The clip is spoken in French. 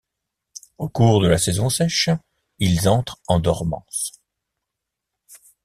Au cours de la saison sèche ils entrent en dormance.